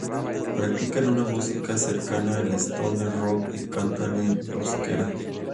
Practican una música cercana al stoner rock y cantan en euskera.